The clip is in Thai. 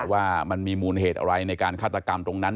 ว่ามันมีมูลเหตุอะไรในการฆาตกรรมตรงนั้น